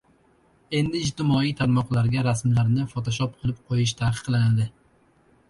Endi ijtimoiy tarmoqlarga rasmlarni "fotoshop" qilib qo‘yish taqiqlanadi